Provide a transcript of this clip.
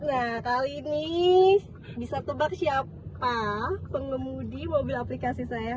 nah kali ini bisa tebak siapa pengemudi mobil aplikasi saya